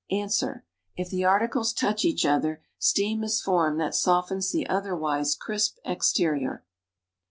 Ans. If the articles touch each other, steam is formed that softens the otherwise crisp exterior.